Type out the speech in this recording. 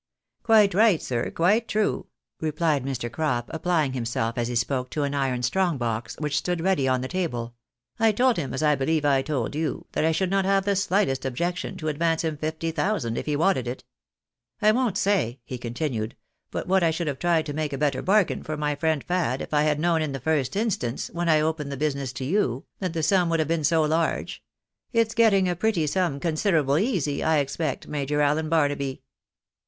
" Quite right, sir — quite true," replied Mr. Crop, applying DIAMOND CUT DIAMOND 281 himself as he spoke to an iron strong box, which stood ready on the table ;" I told him, as I believe I told you, that I should not have the slightest objection to advaace him fifty thousand if he wanted it. I won't say," he continued, " but what I should have tried to make a better bargain for my friend Fad if I had known in the first instance, when I opened the business to you, that the sum would have been so large. It's getting a pretty sum considerable easy, I expect. Major Allen Barnaby."